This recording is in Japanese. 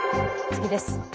次です。